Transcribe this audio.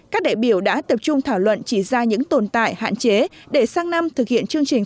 các đại biểu đã tập trung thảo luận chỉ ra những tồn tại hạn chế để sang năm thực hiện chương trình